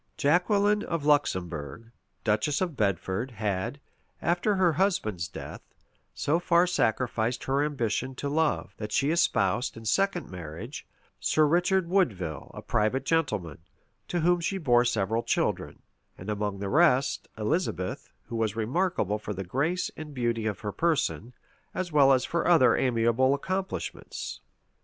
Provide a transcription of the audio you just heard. Jaqueline of Luxembourg, duchess of Bedford, had, after her husband's death, so far sacrificed her ambition to love, that she espoused, in second marriage, Sir Richard Woodeville a private gentleman, to whom she bore several children; and among the rest, Elizabeth, who was remarkable for the grace and beauty of her person, as well as for other amiable accomplishments.